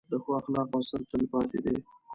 د ښو اخلاقو اثر تل پاتې دی.